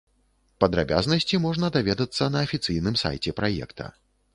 Падрабязнасці можна даведацца на афіцыйным сайце праекта.